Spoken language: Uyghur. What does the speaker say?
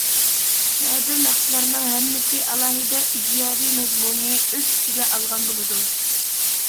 نادىر ناخشىلارنىڭ ھەممىسى ئالاھىدە ئىدىيەۋى مەزمۇننى ئۆز ئىچىگە ئالغان بولىدۇ.